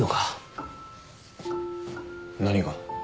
何が？